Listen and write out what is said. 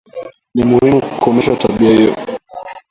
Ni muhimu kukomesha tabia hiyo